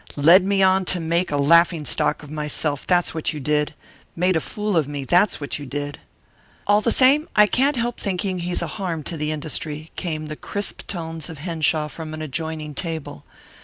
"Led me on to make a laughing stock of myself, that's what you did. Made a fool of me, that's what you did." "All the same, I can't help thinking he's a harm to the industry," came the crisp tones of Henshaw from an adjoining table.